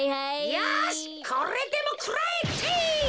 よしこれでもくらえ。てい！